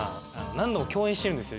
何度も共演してるんですよ